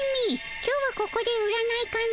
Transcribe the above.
今日はここで占いかの？